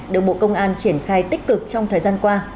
được bộ công an triển khai tích cực trong thời gian qua